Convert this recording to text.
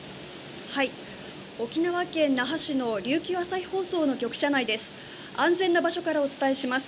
沖縄県那覇市の琉球朝日放送の局舎内です。